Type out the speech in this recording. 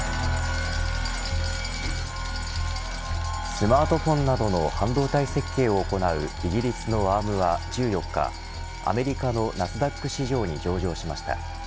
スマートフォンなどの半導体設計を行うイギリスのアームは１４日アメリカのナスダック市場に上場しました。